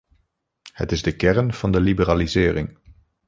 Het is de kern van de liberalisering.